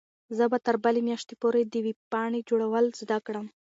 زه به تر بلې میاشتې پورې د ویبپاڼې جوړول زده کړم.